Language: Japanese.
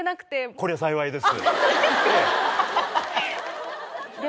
これ幸いです。